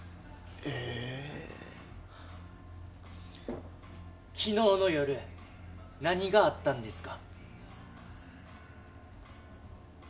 え昨日の夜何があったんですか？